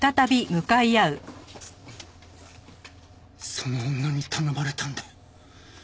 その女に頼まれたんだ。